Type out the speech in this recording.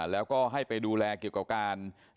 แล้วก็ให้ไปดูแลเกี่ยวกับการ